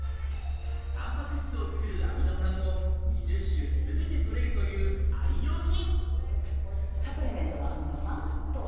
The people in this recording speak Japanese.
タンパク質を作るアミノ酸を２０種、全て取れるという愛用品。